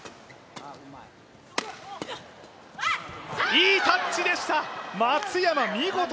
いいタッチでした、松山、見事！